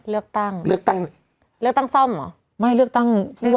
เลือกตั้งเลือกตั้งเลือกตั้งซ่อมเหรอไม่เลือกตั้งอ๋อ